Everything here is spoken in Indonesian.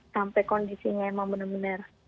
sampai kondisinya emang benar benar